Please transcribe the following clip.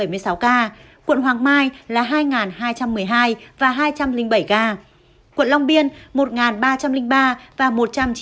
quận hoàng mai là hai hai trăm một mươi hai và hai trăm linh bảy ca quận long biên một ba trăm linh ba và một trăm chín mươi chín